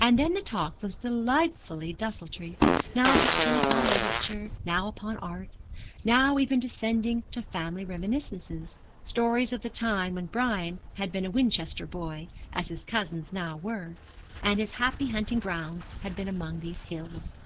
And then the talk was delightfully desultory, now touching upon literature, now upon art, now even descending to family reminiscences, stories of the time when Brian had been a Winchester boy, as his cousins were now, and his happy hunting grounds had been among these hills.